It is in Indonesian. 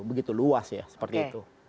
begitu luas ya seperti itu